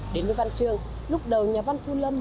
đến với văn trường lúc đầu nhà văn thu lâm